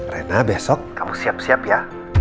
rena besok kamu siap siap ya